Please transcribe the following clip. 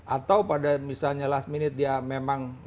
atau pada misalnya last minute dia memang